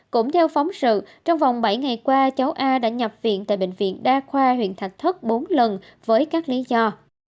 cũng theo phóng sự trong vòng bảy ngày qua cháu a đã nhập viện tại bệnh viện đa khoa huyện thạch thất bốn lần với các lý do